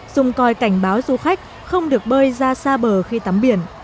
dùng coi cảnh báo du khách không được bơi ra xa bờ khi tắm biển